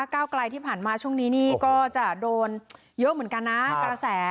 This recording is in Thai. ก้าวไกลที่ผ่านมาช่วงนี้นี่ก็จะโดนเยอะเหมือนกันนะกระแส